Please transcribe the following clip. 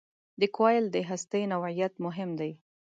د کوایل د هستې نوعیت مهم دی.